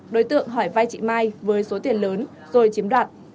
đối tượng hỏi vai chị mai với số tiền lớn rồi chiếm đoạt